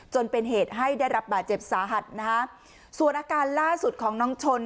จนเป็นเหตุให้ได้รับบาดเจ็บสาหัสนะคะส่วนอาการล่าสุดของน้องชน